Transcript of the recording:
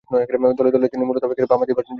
দলে তিনি মূলতঃ বামহাতি ব্যাটসম্যান হিসেবে খেলতেন।